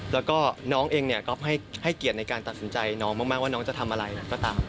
แล้วก็น้องเองเนี่ยก๊อฟให้เกียรติในการตัดสินใจน้องมากว่าน้องจะทำอะไรก็ตาม